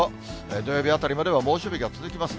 土曜日あたりまでは猛暑日が続きます。